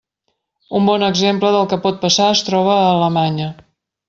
Un bon exemple del que pot passar es troba a Alemanya.